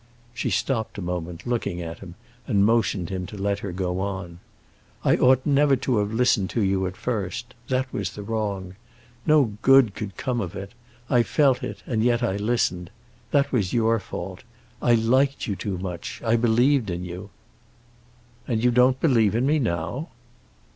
She stopped a moment, looking at him, and motioned him to let her go on. "I ought never to have listened to you at first; that was the wrong. No good could come of it. I felt it, and yet I listened; that was your fault. I liked you too much; I believed in you." "And don't you believe in me now?"